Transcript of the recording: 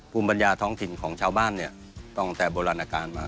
ภูมิปัญญาท้องถิ่นของชาวบ้านเนี่ยตั้งแต่โบราณการมา